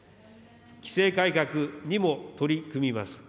規制改革にも取り組みます。